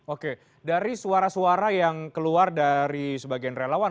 oke dari suara suara yang keluar dari sebagian relawan